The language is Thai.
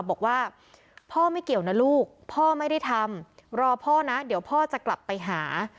บอกว่าพ่อไม่เกี่ยวนะลูกพ่อไม่ได้ทำรอพ่อนะเดี๋ยวพ่อจะกลับไปหา